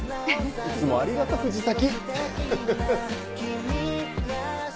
いつもありがと藤崎。